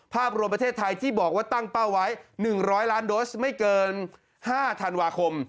ภาพรวมประเทศไทยที่บอกว่าตั้งเป้าไว้๑๐๐ล้านโดสไม่เกิน๕ธันวาคม